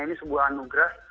ini sebuah anugerah